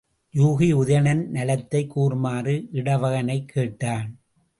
யூகி உதயணன் நலத்தைக் கூறுமாறு இடவகனைக் கேட்டான்.